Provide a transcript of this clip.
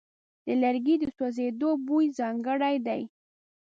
د لرګي د سوځېدو بوی ځانګړی دی.